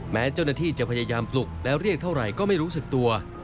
แม้เจ้าหน้าที่จะพยายามปลุกและเรียกเท่าไหร่ก็ไม่รู้สึกตัว